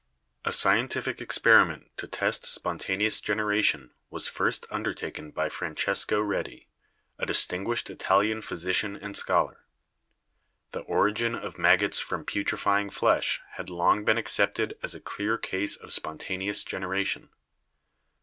A scientific experiment to test spontaneous generation was first undertaken by Francesco Redi, a distinguished Italian physician and scholar. The origin of maggots from putrefying flesh had long been accepted as a clear case of spontaneous generation.